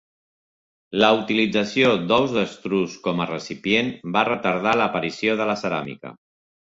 La utilització d'ous d'estruç com a recipient va retardar l'aparició de la ceràmica.